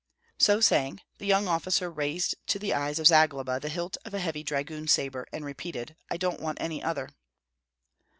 So saying, the young officer raised to the eyes of Zagloba the hilt of a heavy dragoon sabre, and repeated, "I don't want any other."